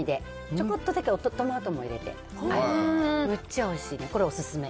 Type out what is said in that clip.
ちょこっとだけトマトを入れて、むっちゃおいしいねん、これお勧め。